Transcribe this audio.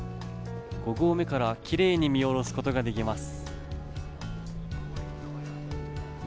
五合目から、きれいに見下ろすことができます。